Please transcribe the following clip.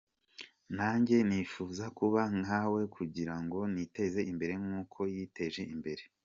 Nanjye nifuza kuba nka, we kugira ngo niteze imbere nk’uko yiteje imbere.